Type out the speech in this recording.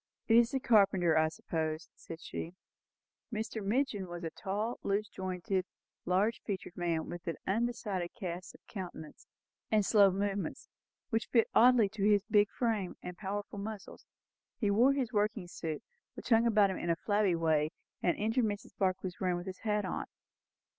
"It is the carpenter, I suppose," said she. Mr. Midgin was a tall, loose jointed, large featured man, with an undecided cast of countenance, and slow movements; which fitted oddly to his big frame and powerful muscles. He wore his working suit, which hung about him in a flabby way, and entered Mrs. Barclay's room with his hat on.